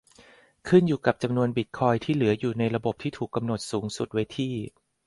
ขึ้นอยู่กับจำนวนบิตคอยน์ที่เหลืออยู่ในระบบที่ถูกกำหนดสูงสุดไว้ที่